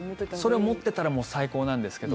それ持ってたら最高なんですけど。